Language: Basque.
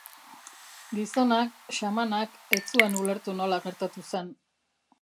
Gizonak, xamanak, ez zuen ulertu nola gertatu zen.